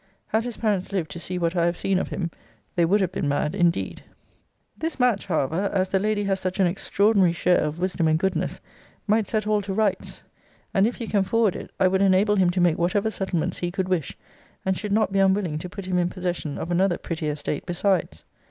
Had his parents lived to see what I have seen of him, they would have been mad indeed. This match, however, as the lady has such an extraordinary share of wisdom and goodness, might set all to rights; and if you can forward it, I would enable him to make whatever settlements he could wish; and should not be unwilling to put him in possession of another pretty estate besides.